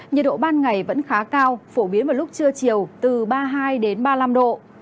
nhiệt độ ban ngày vẫn khá cao phổ biến vào lúc trưa chiều từ ba mươi hai ba mươi năm độ